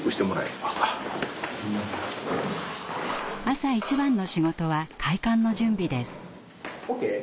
朝一番の仕事は開館の準備です。